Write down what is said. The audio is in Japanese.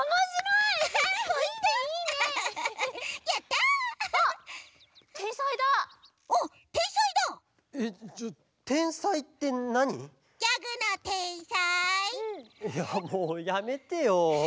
いやもうやめてよ。